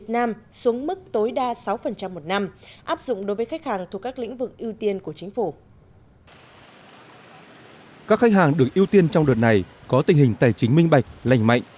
các khách hàng được ưu tiên trong đợt này có tình hình tài chính minh bạch lành mạnh